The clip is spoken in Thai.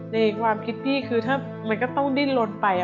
ในความคิดพี่คือถ้ามันก็ต้องดิ้นลนไป